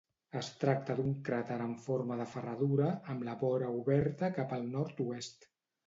Es tracta d'un cràter en forma de ferradura, amb la vora oberta cap al nord-oest.